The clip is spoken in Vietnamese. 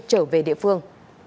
trở về địa phương